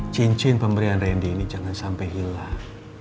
cincin pemberian randy ini jangan sampai hilang